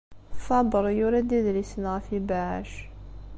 Fabre yura-d idlisen ɣef yibeɛɛac.